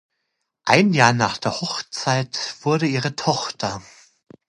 Ein Jahr nach der Hochzeit wurde ihre Tochter